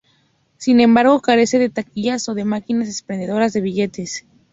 Sin embargo carece de taquillas o de máquinas expendedoras de billetes.